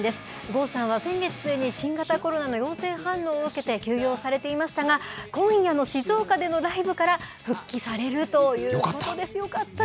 郷さんは先月末に新型コロナの陽性反応を受けて、休養されていましたが、今夜の静岡でのライブから復帰されるといよかった。